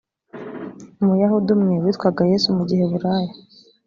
umuyahudi umwe witwaga yesu mu giheburayo